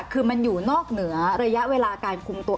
คือมันอยู่นอกเหนือระยะเวลาการคุมตัว